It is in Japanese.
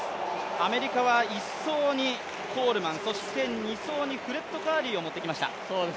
アメリカは１走にコールマン、２走にフレッド・カーリーを持ってきました。